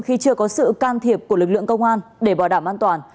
khi chưa có sự can thiệp của lực lượng công an để bảo đảm an toàn